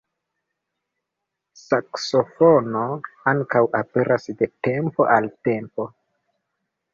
Saksofono ankaŭ aperas de tempo al tempo.